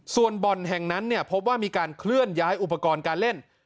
ส่วนบ่อนแห่งนั้นเนี่ยพบว่ามีการเคลื่อนย้ายอุปกรณ์การเล่น